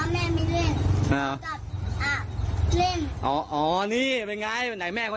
มาต่อมาแม่ไปเล่นอ่าเล่นอ๋ออ๋อนี่เป็นไงไหนแม่คน